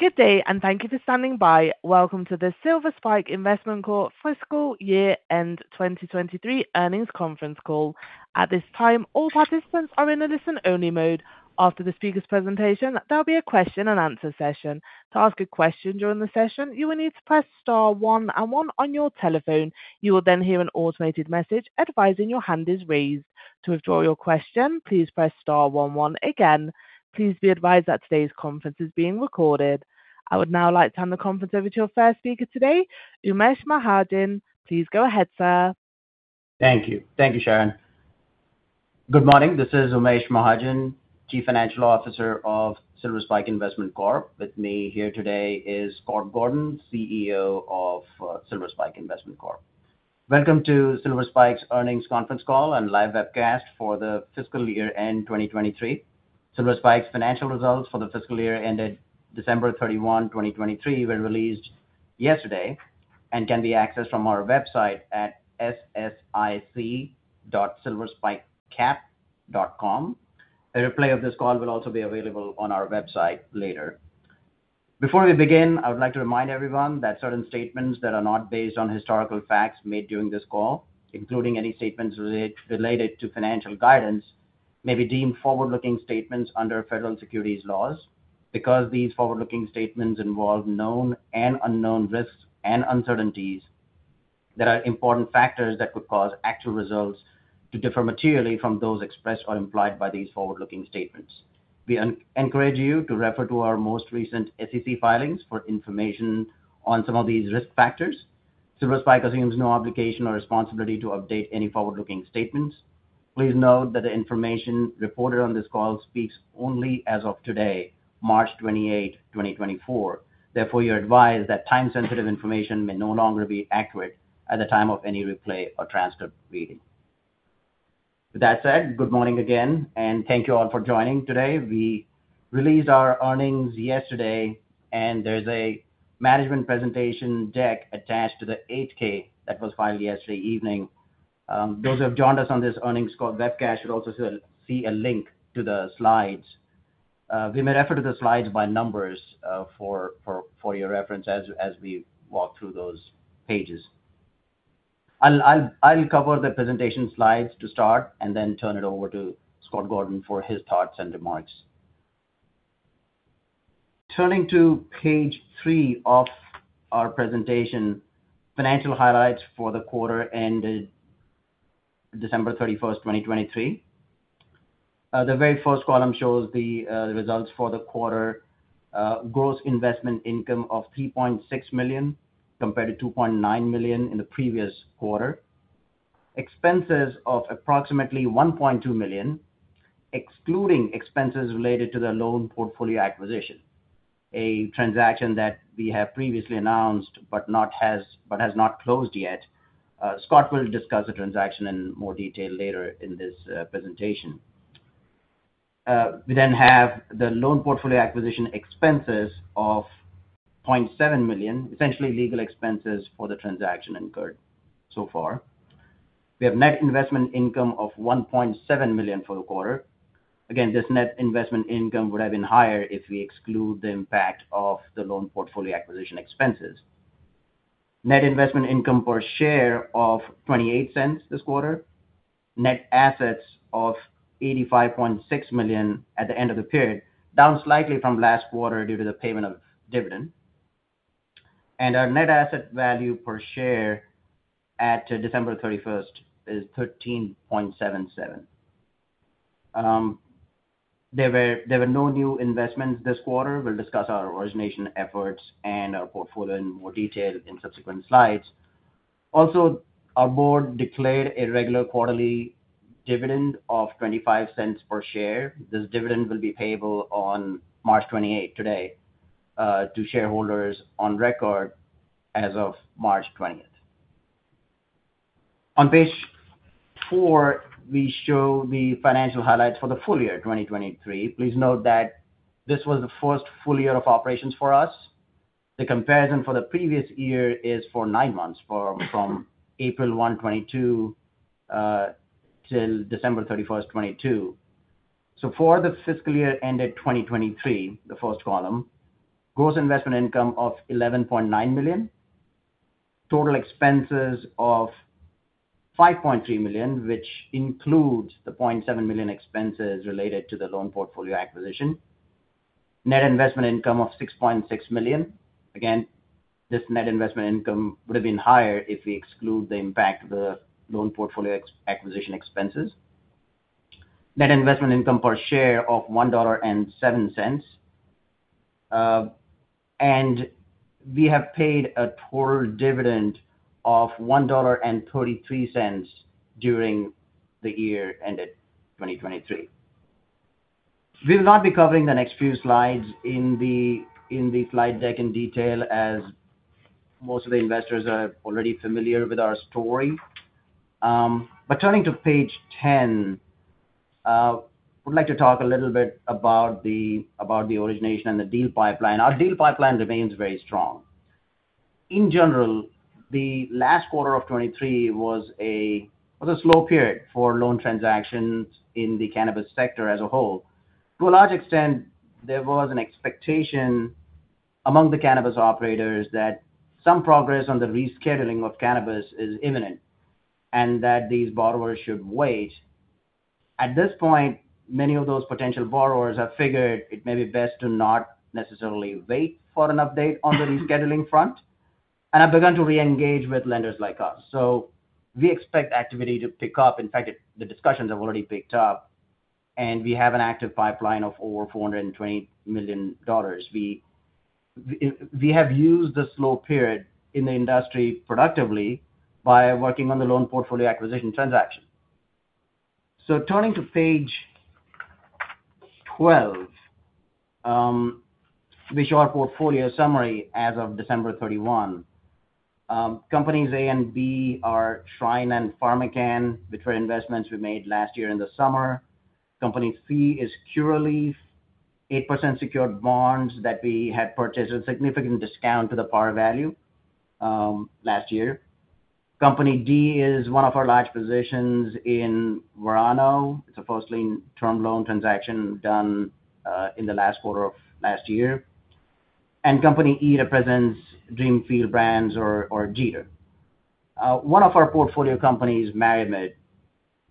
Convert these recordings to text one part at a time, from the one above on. Good day and thank you for standing by. Welcome to the Silver Spike Investment Corp Fiscal Year-End 2023 Earnings Conference Call. At this time, all participants are in a listen-only mode. After the speaker's presentation, there'll be a question-and-answer session. To ask a question during the session, you will need to press star one and one on your telephone. You will then hear an automated message advising your hand is raised. To withdraw your question, please press star one one again. Please be advised that today's conference is being recorded. I would now like to hand the conference over to your first speaker today, Umesh Mahajan. Please go ahead, sir. Thank you. Thank you, Sharon. Good morning. This is Umesh Mahajan, Chief Financial Officer of Silver Spike Investment Corp. With me here today is Scott Gordon, CEO of Silver Spike Investment Corp. Welcome to Silver Spike's Earnings Conference Call and live webcast for the fiscal year-end 2023. Silver Spike's financial results for the fiscal year ended December 31, 2023, were released yesterday and can be accessed from our website at ssic.silverspikecap.com. A replay of this call will also be available on our website later. Before we begin, I would like to remind everyone that certain statements that are not based on historical facts made during this call, including any statements related to financial guidance, may be deemed forward-looking statements under federal securities laws. Because these forward-looking statements involve known and unknown risks and uncertainties, there are important factors that could cause actual results to differ materially from those expressed or implied by these forward-looking statements. We encourage you to refer to our most recent SEC filings for information on some of these risk factors. Silver Spike assumes no obligation or responsibility to update any forward-looking statements. Please note that the information reported on this call speaks only as of today, March 28, 2024. Therefore, you're advised that time-sensitive information may no longer be accurate at the time of any replay or transcript reading. With that said, good morning again, and thank you all for joining today. We released our earnings yesterday, and there's a management presentation deck attached to the 8-K that was filed yesterday evening. Those who have joined us on this earnings webcast should also see a link to the slides. We may refer to the slides by numbers for your reference as we walk through those pages. I'll cover the presentation slides to start and then turn it over to Scott Gordon for his thoughts and remarks. Turning to page three of our presentation, financial highlights for the quarter ended December 31, 2023. The very first column shows the results for the quarter: gross investment income of $3.6 million compared to $2.9 million in the previous quarter, expenses of approximately $1.2 million excluding expenses related to the loan portfolio acquisition, a transaction that we have previously announced but has not closed yet. Scott will discuss the transaction in more detail later in this presentation. We then have the loan portfolio acquisition expenses of $0.7 million, essentially legal expenses for the transaction incurred so far. We have net investment income of $1.7 million for the quarter. Again, this net investment income would have been higher if we exclude the impact of the loan portfolio acquisition expenses. Net investment income per share of $0.28 this quarter, net assets of $85.6 million at the end of the period, down slightly from last quarter due to the payment of dividend. Our net asset value per share at December 31 is $13.77. There were no new investments this quarter. We'll discuss our origination efforts and our portfolio in more detail in subsequent slides. Also, our board declared a regular quarterly dividend of $0.25 per share. This dividend will be payable on March 28, today, to shareholders on record as of March 20. On page four, we show the financial highlights for the full year 2023. Please note that this was the first full year of operations for us. The comparison for the previous year is for nine months, from April 1, 2022 till December 31, 2022. So for the fiscal year ended 2023, the first column, gross investment income of $11.9 million, total expenses of $5.3 million, which includes the $0.7 million expenses related to the loan portfolio acquisition, net investment income of $6.6 million. Again, this net investment income would have been higher if we exclude the impact of the loan portfolio acquisition expenses, net investment income per share of $1.07, and we have paid a total dividend of $1.33 during the year ended 2023. We will not be covering the next few slides in the slide deck in detail as most of the investors are already familiar with our story. Turning to page 10, I would like to talk a little bit about the origination and the deal pipeline. Our deal pipeline remains very strong. In general, the last quarter of 2023 was a slow period for loan transactions in the cannabis sector as a whole. To a large extent, there was an expectation among the cannabis operators that some progress on the rescheduling of cannabis is imminent and that these borrowers should wait. At this point, many of those potential borrowers have figured it may be best to not necessarily wait for an update on the rescheduling front and have begun to re-engage with lenders like us. So we expect activity to pick up. In fact, the discussions have already picked up, and we have an active pipeline of over $420 million. We have used the slow period in the industry productively by working on the loan portfolio acquisition transaction. So turning to page 12, which is our portfolio summary as of December 31, companies A and B are Shryne and PharmaCann, which were investments we made last year in the summer. Company C is Curaleaf, 8% secured bonds that we had purchased at a significant discount to the par value last year. Company D is one of our large positions in Verano. It's a first-lien term loan transaction done in the last quarter of last year. And Company E represents DreamFields Brands or Jeeter. One of our portfolio companies, MariMed,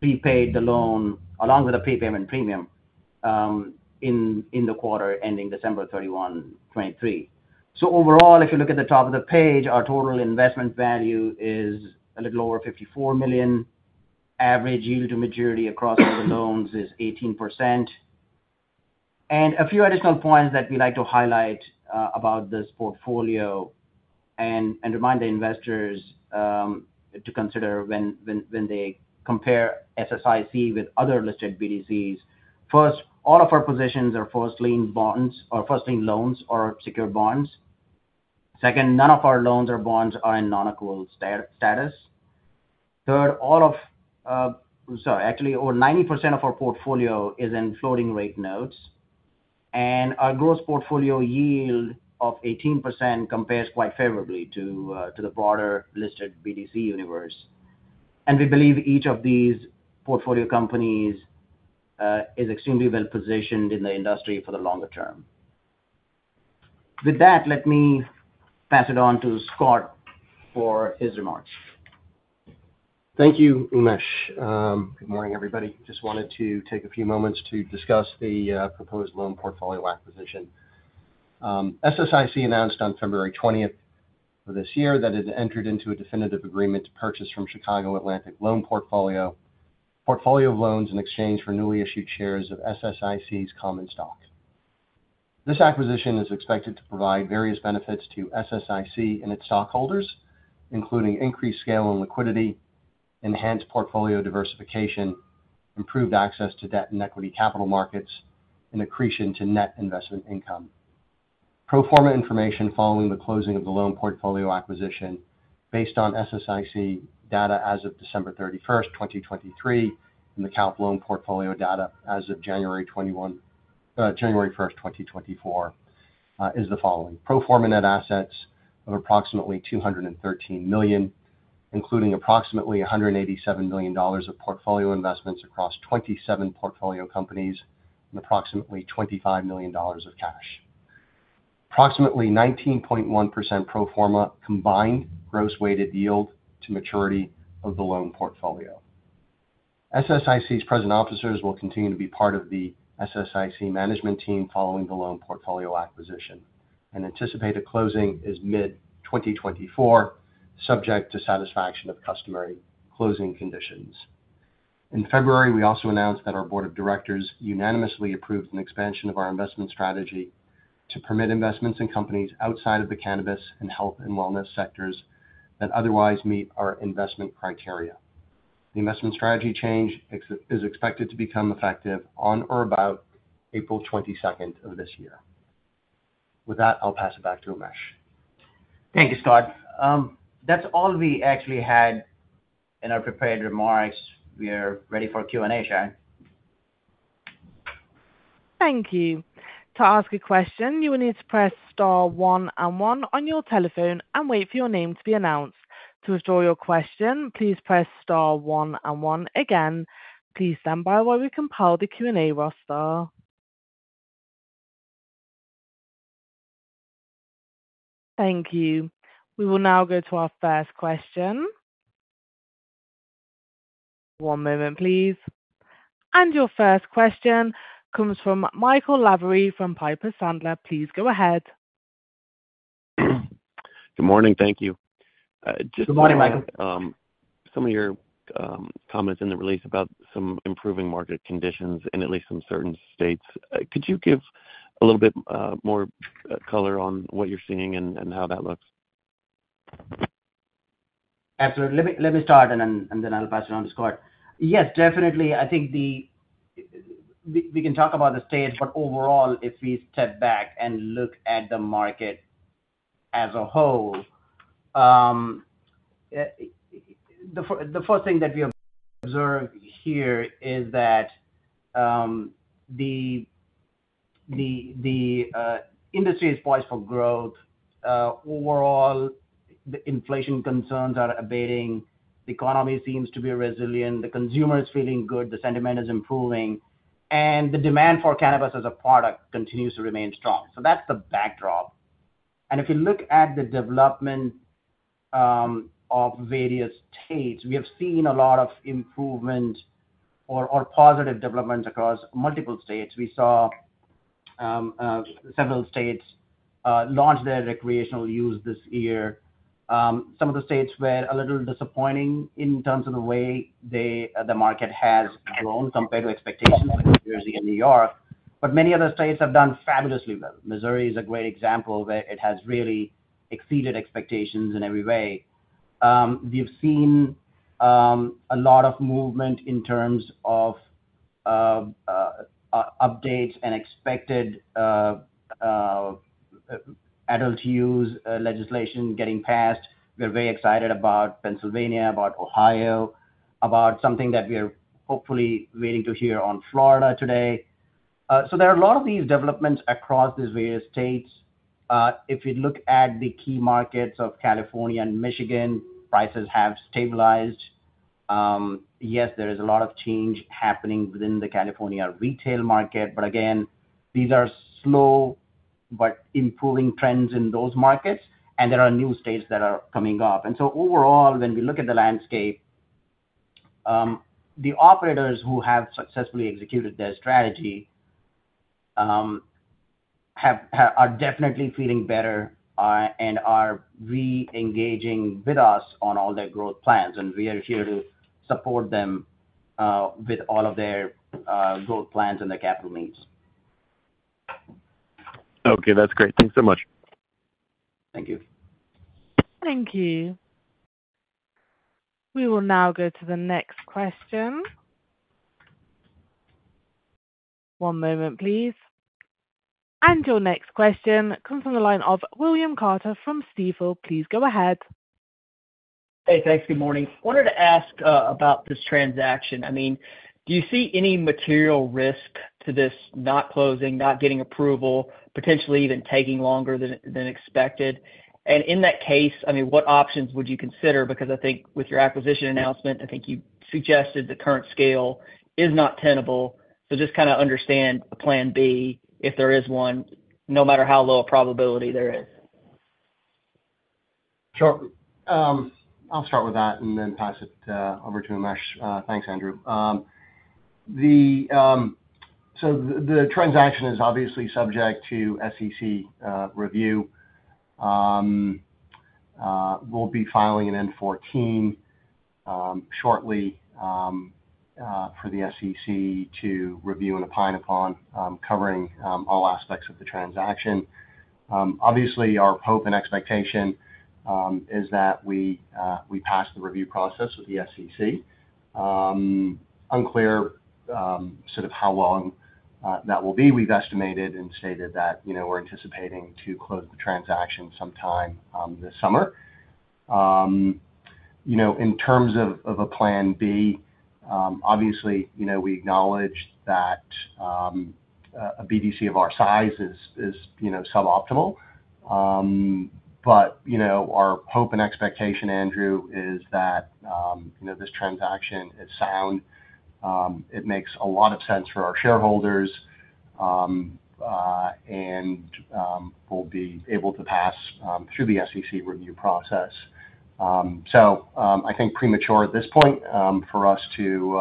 prepaid the loan along with a prepayment premium in the quarter ending December 31, 2023. So overall, if you look at the top of the page, our total investment value is a little over $54 million. Average yield to maturity across all the loans is 18%. A few additional points that we like to highlight about this portfolio and remind the investors to consider when they compare SSIC with other listed BDCs. First, all of our positions are first-lien bonds or first-lien loans or secured bonds. Second, none of our loans or bonds are in non-accrual status. Third, actually, over 90% of our portfolio is in floating-rate notes. And our gross portfolio yield of 18% compares quite favorably to the broader listed BDC universe. And we believe each of these portfolio companies is extremely well-positioned in the industry for the longer term. With that, let me pass it on to Scott for his remarks. Thank you, Umesh. Good morning, everybody. Just wanted to take a few moments to discuss the proposed loan portfolio acquisition. SSIC announced on February 20th of this year that it had entered into a definitive agreement to purchase from Chicago Atlantic Loan Portfolio a portfolio of loans in exchange for newly issued shares of SSIC's common stock. This acquisition is expected to provide various benefits to SSIC and its stockholders, including increased scale and liquidity, enhanced portfolio diversification, improved access to debt and equity capital markets, and accretion to net investment income. Pro forma information following the closing of the loan portfolio acquisition based on SSIC data as of December 31, 2023, and the CALP loan portfolio data as of January 1, 2024, is the following: pro forma net assets of approximately $213 million, including approximately $187 million of portfolio investments across 27 portfolio companies and approximately $25 million of cash. Approximately 19.1% pro forma combined gross weighted yield to maturity of the loan portfolio. SSIC's present officers will continue to be part of the SSIC management team following the loan portfolio acquisition, and anticipated closing is mid-2024, subject to satisfaction of customary closing conditions. In February, we also announced that our board of directors unanimously approved an expansion of our investment strategy to permit investments in companies outside of the cannabis and health and wellness sectors that otherwise meet our investment criteria. The investment strategy change is expected to become effective on or about April 22nd of this year. With that, I'll pass it back to Umesh. Thank you, Scott. That's all we actually had in our prepared remarks. We are ready for Q&A, Sharon. Thank you. To ask a question, you will need to press star 1 and 1 on your telephone and wait for your name to be announced. To withdraw your question, please press star 1 and 1 again. Please stand by while we compile the Q&A roster. Thank you. We will now go to our first question. One moment, please. Your first question comes from Michael Lavery from Piper Sandler. Please go ahead. Good morning. Thank you. Just wanted to. Good morning, Michael. Some of your comments in the release about some improving market conditions in at least some certain states. Could you give a little bit more color on what you're seeing and how that looks? Absolutely. Let me start, and then I'll pass it on to Scott. Yes, definitely. I think we can talk about the state, but overall, if we step back and look at the market as a whole, the first thing that we observe here is that the industry is poised for growth. Overall, the inflation concerns are abating. The economy seems to be resilient. The consumer is feeling good. The sentiment is improving. And the demand for cannabis as a product continues to remain strong. So that's the backdrop. And if you look at the development of various states, we have seen a lot of improvement or positive developments across multiple states. We saw several states launch their recreational use this year. Some of the states were a little disappointing in terms of the way the market has grown compared to expectations, like New Jersey and New York. Many other states have done fabulously well. Missouri is a great example where it has really exceeded expectations in every way. We've seen a lot of movement in terms of updates and expected adult use legislation getting passed. We're very excited about Pennsylvania, about Ohio, about something that we are hopefully waiting to hear on Florida today. So there are a lot of these developments across these various states. If you look at the key markets of California and Michigan, prices have stabilized. Yes, there is a lot of change happening within the California retail market. But again, these are slow but improving trends in those markets. And there are new states that are coming up. And so overall, when we look at the landscape, the operators who have successfully executed their strategy are definitely feeling better and are re-engaging with us on all their growth plans. We are here to support them with all of their growth plans and their capital needs. Okay. That's great. Thanks so much. Thank you. Thank you. We will now go to the next question. One moment, please. Your next question comes from the line of W. Andrew Carter from Stifel. Please go ahead. Hey. Thanks. Good morning. Wanted to ask about this transaction. I mean, do you see any material risk to this not closing, not getting approval, potentially even taking longer than expected? And in that case, I mean, what options would you consider? Because I think with your acquisition announcement, I think you suggested the current scale is not tenable. So just kind of understand a plan B if there is one, no matter how low a probability there is. Sure. I'll start with that and then pass it over to Umesh. Thanks, Andrew. So the transaction is obviously subject to SEC review. We'll be filing an N-14 shortly for the SEC to review and opine upon, covering all aspects of the transaction. Obviously, our hope and expectation is that we pass the review process with the SEC. Unclear sort of how long that will be. We've estimated and stated that we're anticipating to close the transaction sometime this summer. In terms of a plan B, obviously, we acknowledge that a BDC of our size is suboptimal. But our hope and expectation, Andrew, is that this transaction is sound. It makes a lot of sense for our shareholders and will be able to pass through the SEC review process. So I think premature at this point for us to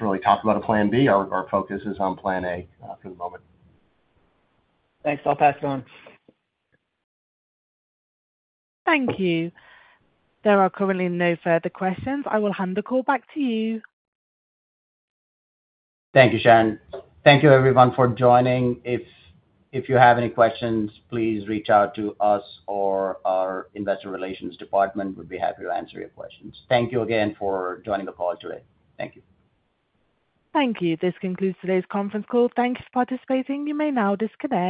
really talk about a plan B. Our focus is on plan A for the moment. Thanks. I'll pass it on. Thank you. There are currently no further questions. I will hand the call back to you. Thank you, Sharon. Thank you, everyone, for joining. If you have any questions, please reach out to us or our investor relations department. We'd be happy to answer your questions. Thank you again for joining the call today. Thank you. Thank you. This concludes today's conference call. Thank you for participating. You may now disconnect.